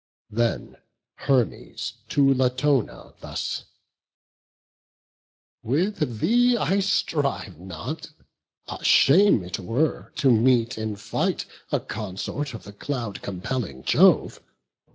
Them Hermes to Latona thus: "With thee I strive not; shame it were to meet in fight A consort of the cloud compelling Jove.